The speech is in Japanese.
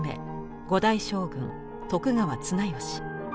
五代将軍徳川綱吉。